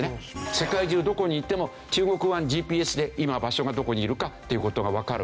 世界中どこに行っても中国版ＧＰＳで今場所がどこにいるかっていう事がわかる。